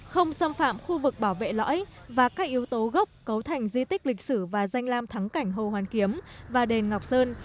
không xâm phạm khu vực bảo vệ lõi và các yếu tố gốc cấu thành di tích lịch sử và danh lam thắng cảnh hồ hoàn kiếm và đền ngọc sơn